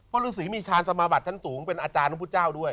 เพราะรูสีมีชาญสมาบัติทั้งสูงเป็นอาจารย์ลูกพุทธเจ้าด้วย